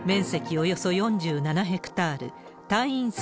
およそ４７ヘクタール、隊員数